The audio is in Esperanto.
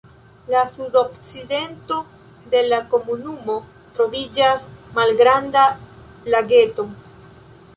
En sudokcidento de la komunumo troviĝas malgranda lageto.